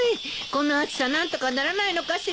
この暑さ何とかならないのかしら。